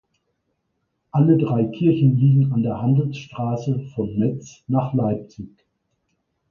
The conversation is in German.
Alle drei Kirchen liegen an der Handelsstraße von Metz nach Leipzig.